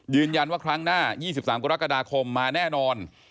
ยืนยันว่าครั้งหน้า๒๓กรกฎาคมมาแน่นอน